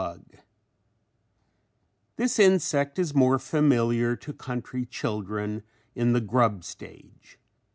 ] This insect is more familiar to country children in the grub stage.